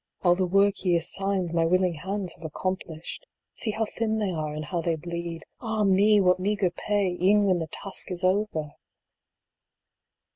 All the work ye assigned, my willing hands have accom plished. DRIFTS THAT BAR MY DOOR. 69 See how thin they are, and how they bleed. Ah me ! what meagre pay, e en when the task is over